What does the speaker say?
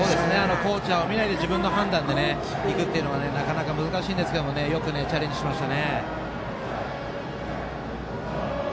コーチャーを見ないで自分の判断でいくというのはなかなか難しいんですけどよくチャレンジしましたね。